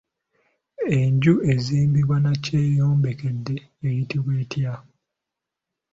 Enju ezimbibwa Nakyeyombekedde eyitibwa etya?